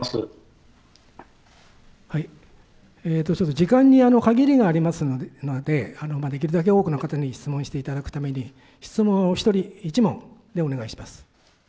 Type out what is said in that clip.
時間にかぎりがありますのでできるだけ多くの方に質問をしていただくために、質問を１人１問でお願いします。